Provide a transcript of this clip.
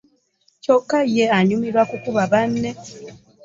Kyokka ye anyumirwa kukuba banne.